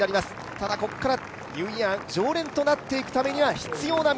ただ、ここからニューイヤー常連となっていくには必要な道。